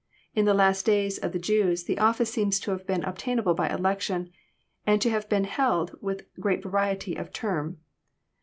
In the last days of the Jews the office seems to have been obtainable by election, and to have been held with great variety of term.